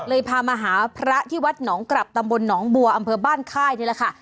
พามาหาพระที่วัดหนองกลับตำบลหนองบัวอำเภอบ้านค่ายนี่แหละค่ะ